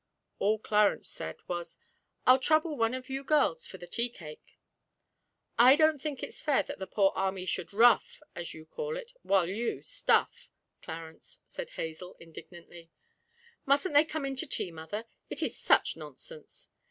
All Clarence said was: 'I'll trouble one of you girls for the tea cake.' 'I don't think it's fair that the poor army should "rough," as you call it, while you stuff, Clarence,' said Hazel, indignantly. 'Mustn't they come in to tea, mother? It is such nonsense!'